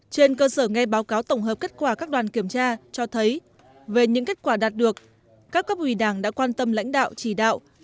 trên cơ sở nghe báo cáo tổng hợp kết quả các đoàn kiểm tra cho thấy về những kết quả đạt được các cấp ủy đảng đã quan tâm lãnh đạo chỉ đạo